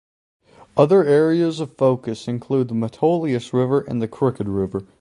Other areas of focus include the Metolius River and the Crooked River.